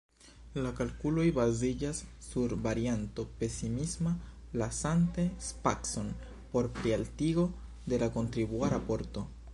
La kalkuloj baziĝas sur varianto pesimisma, lasante spacon por plialtigo de la kontribua raporto.